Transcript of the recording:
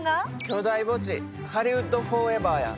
巨大墓地ハリウッド・フォーエバーや。